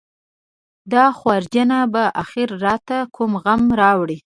دا خورجینه به اخر راته کوم غم راوړي.